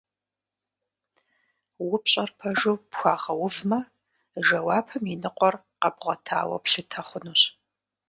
Упщӏэр пэжу пхуэгъэувмэ, жэуапым и ныкъуэр къэбгъуэтауэ плъытэ хъунущ.